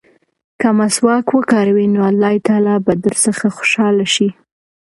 که مسواک وکاروې نو الله تعالی به درڅخه خوشحاله شي.